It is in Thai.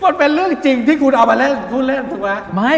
มันเป็นเรื่องจริงที่คุณเอามาเล่นผู้เล่นถูกไหม